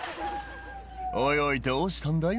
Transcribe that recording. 「おいおいどうしたんだい？